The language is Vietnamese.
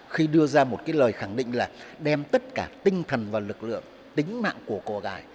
khi đưa ra một cái lời khẳng định là đem tất cả tinh thần và lực lượng tính mạng của cô gái